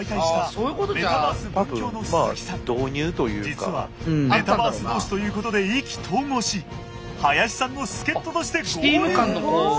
実はメタバース同士ということで意気投合し林さんの助っ人として合流！